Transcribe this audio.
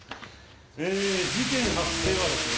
ええ事件発生はですね